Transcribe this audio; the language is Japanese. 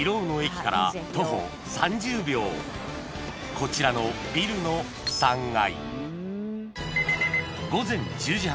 こちらのビルの３階